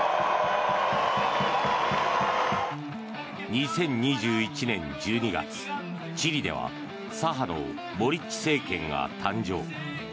２０２１年１２月、チリでは左派のボリッチ政権が誕生。